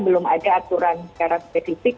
belum ada aturan secara spesifik